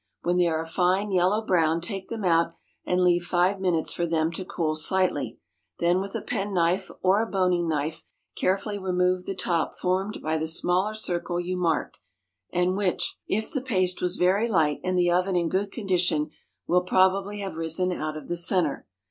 When they are a fine yellow brown take them out, and leave five minutes for them to cool slightly, then with a penknife or a boning knife carefully remove the top formed by the smaller circle you marked, and which (if the paste was very light and the oven in good condition) will probably have risen out of the centre.